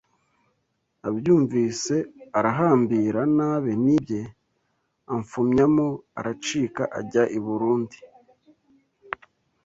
Abyumvise arahambira n’abe n’ibye afumyamo aracika ajya i Burundi